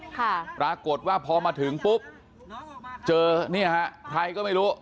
ปรากฏว่าพอมาถึงปุ๊บเจอเนี่ยฮะใครก็ไม่รู้